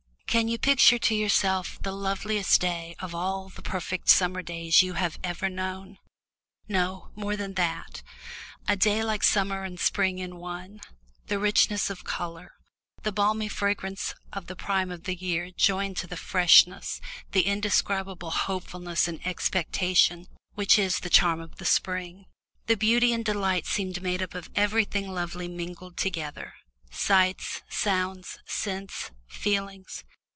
Can you picture to yourselves the loveliest day of all the perfect summer days you have ever known no, more than that, a day like summer and spring in one the richness of colour, the balmy fragrance of the prime of the year joined to the freshness, the indescribable hopefulness and expectation which is the charm of the spring? The beauty and delight seemed made up of everything lovely mingled together sights, sounds, scents, feelings.